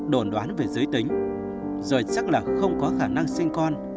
đồn đoán về giới tính rồi chắc là không có khả năng sinh con